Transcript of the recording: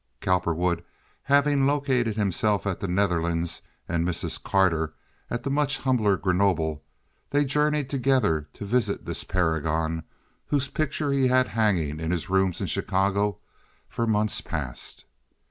Cowperwood having located himself at the Netherlands, and Mrs. Carter at the much humbler Grenoble, they journeyed together to visit this paragon whose picture he had had hanging in his rooms in Chicago for months past.